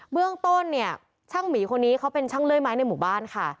เรื่องต้นเนี่ยช่างหมีคนนี้เขาเป็นช่างเลื่อยไม้ในหมู่บ้านค่ะ